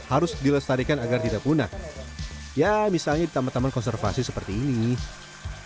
harus dilestarikan agar tidak punah ya misalnya ditambah tambah konservasi seperti ini berat ini